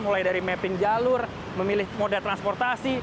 mulai dari mapping jalur memilih moda transportasi